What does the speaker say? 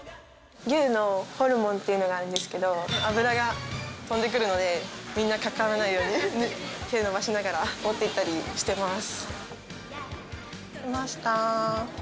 牛のホルモンっていうのがあるんですけど油が飛んでくるので、皆かからないように手を伸ばしながら持って行ったりしています。